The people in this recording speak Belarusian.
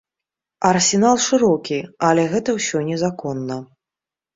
Арсенал шырокі, але гэта ўсё незаконна.